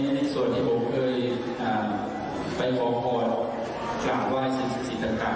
ในส่วนที่ผมเคยไปฟอร์คอร์ขลาดไหว้สิทธิ์สิทธิ์ต่าง